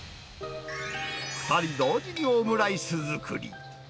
２人同時にオムライス作り。